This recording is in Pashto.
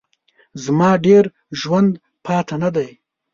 زما ډېر ژوند پاته نه دی.